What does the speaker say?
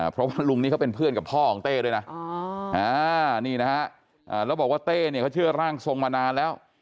เพราะว่าลุงนี่เขาเป็นเพื่อนกับพ่อของเต้ด้วยนะนี่นะฮะแล้วบอกว่าเต้เนี่ยเขาเชื่อร่างทรงมานานแล้ว